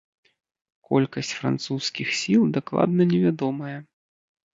Колькасць французскіх сіл дакладна невядомая.